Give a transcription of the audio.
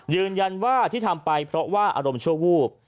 ยืนยันว่าที่ทำไปเพราะว่าอารมณ์ชั่ววูบ